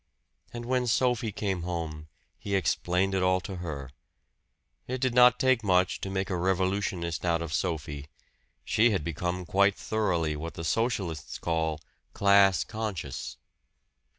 And when Sophie came home, he explained it all to her. It did not take much to make a revolutionist out of Sophie. She had become quite thoroughly what the Socialists called "class conscious."